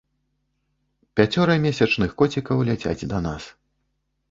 Пяцёра месячных коцікаў ляцяць да нас.